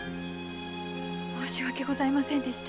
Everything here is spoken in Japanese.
申し訳ございませんでした。